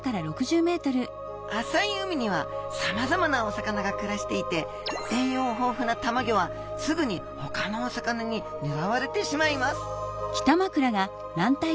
浅い海にはさまざまなお魚が暮らしていて栄養豊富なたまギョはすぐにほかのお魚にねらわれてしまいます